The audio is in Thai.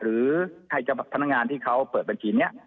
หรือให้ทางงานที่เค้าเปิดบัญชีนี้